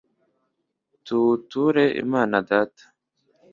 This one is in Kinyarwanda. tuwuture imana data